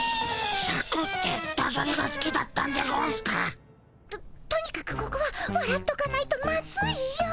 シャクってダジャレがすきだったんでゴンスか？ととにかくここはわらっとかないとマズいよ。